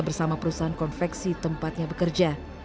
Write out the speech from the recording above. bersama perusahaan konveksi tempatnya bekerja